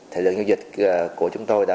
thì lượng giao dịch của chúng tôi đã